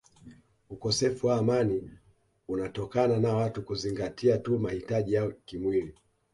Ukosefu wa amani unatokana na watu kuzingatia tu mahitaji ya kimwili